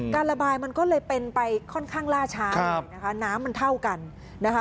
ระบายมันก็เลยเป็นไปค่อนข้างล่าช้าหน่อยนะคะน้ำมันเท่ากันนะคะ